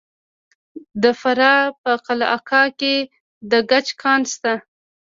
د فراه په قلعه کاه کې د ګچ کان شته.